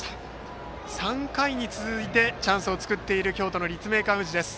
３回に続いてチャンスを作っている京都・立命館宇治です。